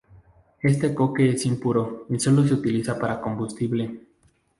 Este coque es impuro y sólo se utiliza para combustible.